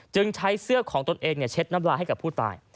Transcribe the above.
จึงใช้เสื้อของตนเองเช็ดน้ำลายให้กับผู้ตาย